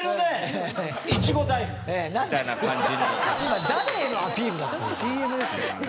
今誰へのアピールなの？